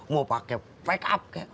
mau pake pick up kek